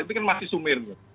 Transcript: itu kan masih sumir